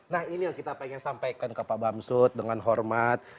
nah ini yang kita ingin sampaikan ke pak bamsud dengan hormat